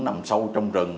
nằm sâu trong rừng